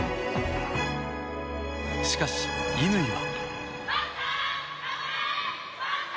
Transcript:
しかし、乾は。